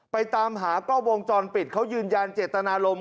ตามหากล้องวงจรปิดเขายืนยันเจตนารมณ์